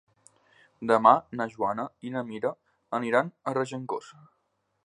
Demà na Joana i na Mira aniran a Regencós.